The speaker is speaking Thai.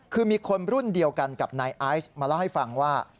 คือมีคนรุ่นเดียวกันกับนายไอซ์มาเล่าให้ฟังว่า